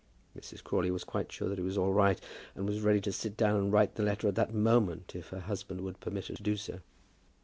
Mrs. Crawley was quite sure that it was all right, and was ready to sit down and write the letter that moment, if her husband would permit her to do so.